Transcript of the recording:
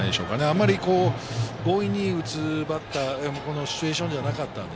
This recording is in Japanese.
あんまり強引に打つバッター、シチュエーションではなかったので。